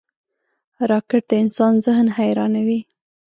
راکټ د انسان ذهن حیرانوي